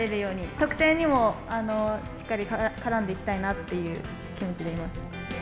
得点にもしっかり絡んでいきたいなっていう気持ちでいます。